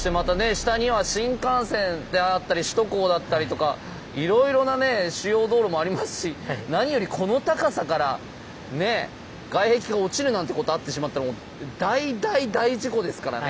下には新幹線であったり首都高だったりとかいろいろなね主要道路もありますし何よりこの高さからね外壁が落ちるなんてことあってしまったらもう大大大事故ですからね。